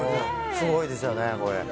すごいですよね。